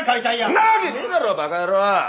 んなわけねえだろバカ野郎！